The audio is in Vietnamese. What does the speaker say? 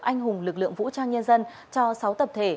anh hùng lực lượng vũ trang nhân dân cho sáu tập thể